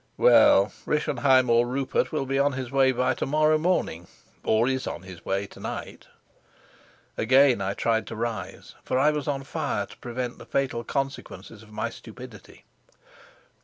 "Well, Rischenheim or Rupert will be on his way by to morrow morning, or is on his way to night." Again I tried to rise, for I was on fire to prevent the fatal consequences of my stupidity.